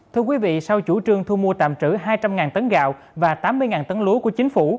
thưa quý vị sau chủ trương thu mua tạm trữ hai trăm linh tấn gạo và tám mươi tấn lúa của chính phủ